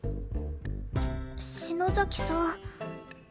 篠崎さん。